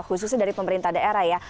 khususnya dari pemerintah daerah ya